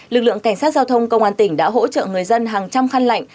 lực lượng cảnh sát giao thông công an tỉnh đã hỗ trợ người dân hàng trăm khăn lạnh